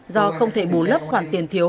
do không thể bù lớp khoản tiền thiếu